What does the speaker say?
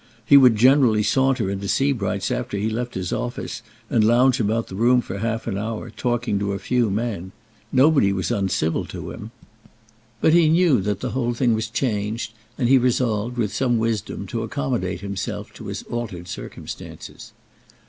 He would generally saunter into Sebright's after he left his office, and lounge about the room for half an hour, talking to a few men. Nobody was uncivil to him. But he knew that the whole thing was changed, and he resolved, with some wisdom, to accommodate himself to his altered circumstances.